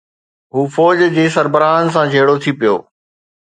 هو فوج جي سربراهن سان جهيڙو ٿي پيو.